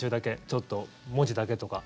ちょっと、文字だけとか。